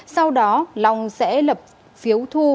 sau đó long sẽ lập phiếu thu